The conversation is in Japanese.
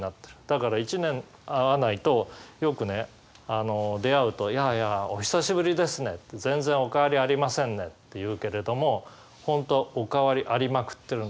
だから一年会わないとよくね出会うと「やあやあお久しぶりですね全然お変わりありませんね」って言うけれども本当はお変わりありまくってる。